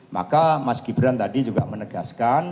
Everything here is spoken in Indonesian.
maka mas gibran tadi juga menegaskan